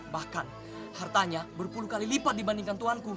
bahkan hartanya berpuluh kali lipat dibandingkan tuanku